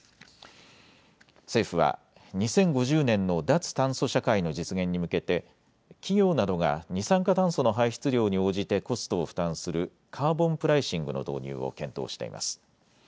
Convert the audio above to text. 政府は２０５０年の脱炭素社会の実現に向けて企業などが二酸化炭素の排出量に応じてコストを負担するカーボンプライシングの導入を検討しています。